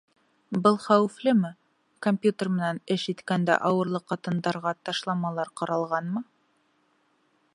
Был хәүефлеме, компьютер менән эш иткәндә ауырлы ҡатындарға ташламалар ҡаралғанмы?